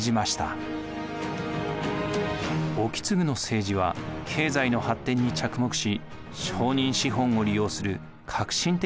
意次の政治は経済の発展に着目し商人資本を利用する革新的なものでした。